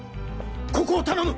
ここを頼む！